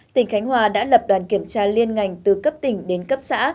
tỉnh khánh hòa đã lập đoàn kiểm tra liên ngành từ cấp tỉnh đến cấp xã